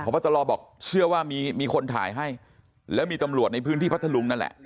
พบตรบอกเชื่อว่ามีคนถ่ายให้แล้วมีตำรวจในพื้นที่พัทธลุงนั่นแหละ